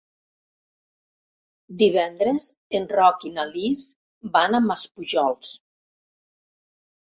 Divendres en Roc i na Lis van a Maspujols.